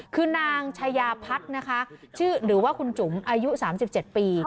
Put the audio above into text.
คือนางชายาพัทนะคะชื่อหรือว่าคุณจุ๋มอายุสามสิบเจ็ดปี